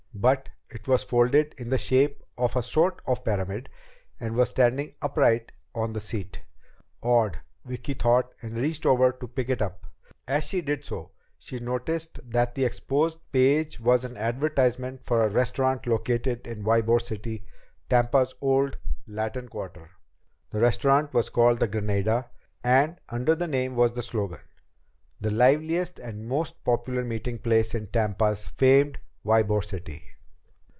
But it was folded in the shape of a sort of pyramid and was standing upright on the seat. "Odd," Vicki thought, and reached over to pick it up. As she did so, she noticed that the exposed page was an advertisement for a restaurant located in Ybor City, Tampa's old Latin Quarter. The restaurant was called the Granada, and under the name was the slogan: "The liveliest and most popular meeting place in Tampa's famed Ybor City."